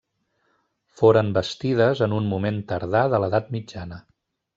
Foren bastides en un moment tardà de l'edat mitjana.